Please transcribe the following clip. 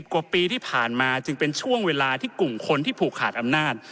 กว่าปีที่ผ่านมาจึงเป็นช่วงเวลาที่กลุ่มคนที่ผูกขาดอำนาจ